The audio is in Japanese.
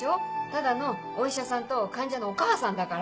ただのお医者さんと患者のお母さんだから。